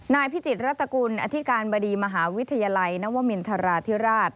พิจิตรรัฐกุลอธิการบดีมหาวิทยาลัยนวมินทราธิราช